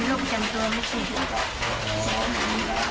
มีรูปจำตัวไม่ฉีด